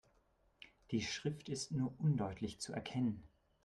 Die Schrift ist nur undeutlich zu erkennen.